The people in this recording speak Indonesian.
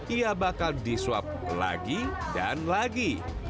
ia bakal di swab lagi dan lagi